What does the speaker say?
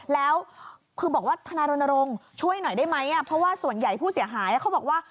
แล้วคือบอกว่าธนายรณรงค์ช่วยหน่อยได้ไหมเพราะว่าส่วนใหญ่ผู้เสียหายเขาบอกว่า